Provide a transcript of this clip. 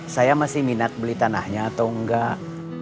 saya masih minat beli tanahnya atau enggak